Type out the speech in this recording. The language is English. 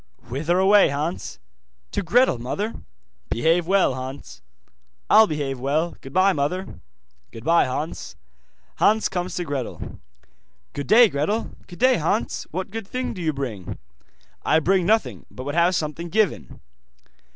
'Whither away, Hans?' 'To Gretel, mother.' 'Behave well, Hans.' 'I'll behave well. Goodbye, mother.' 'Goodbye, Hans.' Hans comes to Gretel. 'Good day, Gretel.' 'Good day, Hans, What good thing do you bring?' 'I bring nothing, but would have something given.